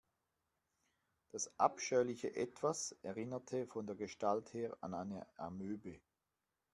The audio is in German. Das abscheuliche Etwas erinnerte von der Gestalt her an eine Amöbe.